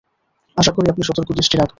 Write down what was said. আশা করি, আপনি সতর্ক দৃষ্টি রাখবেন।